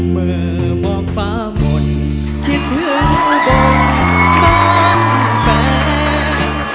เมื่อมองฟ้ามนต์คิดถึงบนบ้านแฟน